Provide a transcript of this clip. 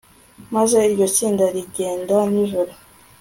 maze iryo tsinda rigenda nijoro